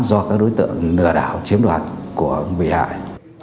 do các đối tượng lừa đảo chiếm đoạt của bị hại